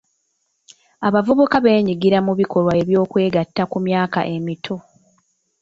Abavubuka beenyigira mu bikolwa by'okwegatta ku myaka emito.